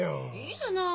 いいじゃない。